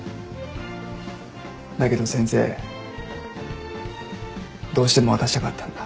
だけど先生どうしても渡したかったんだ。